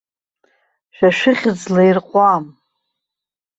Шәа шәыхьӡ лаирҟәуам.